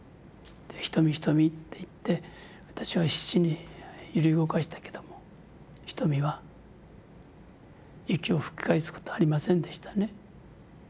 「ひとみひとみ」って言って私は必死に揺り動かしたけどもひとみは息を吹き返すことはありませんでしたね。